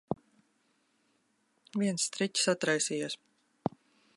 Viens striķis atraisījies.